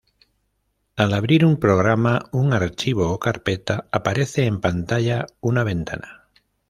Al abrir un programa, un archivo o carpeta, aparece en pantalla una ventana.